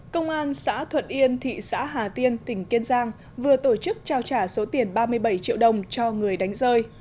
công an xã thuận yên thị xã hà tiên tỉnh kiên giang vừa tổ chức trao trả số tiền ba mươi bảy triệu đồng cho người đánh rơi